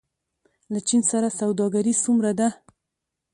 له چین سره سوداګري څومره ده؟